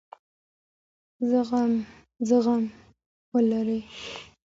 زغم ولرئ.